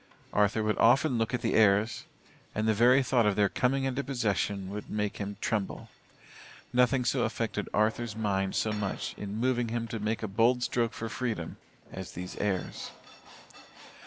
Arthur would often look at the heirs, and the very thought of their coming into possession, would make him tremble. Nothing so affected Arthur's mind so much in moving him to make a bold stroke for freedom as these heirs.